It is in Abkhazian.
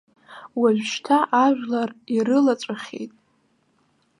Уажәшьҭа ажәлар ирылаҵәахьеит.